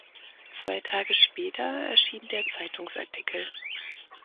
Zwei Tage später erschien der Zeitungsartikel.